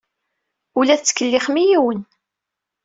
Ur la tettkellixem i yiwen.